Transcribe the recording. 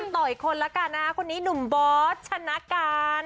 ต่ออีกคนละกันนะคนนี้หนุ่มบอสชนะการ